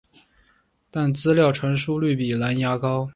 但资料传输率比蓝牙高。